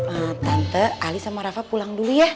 ah tante ali sama rafa pulang dulu ya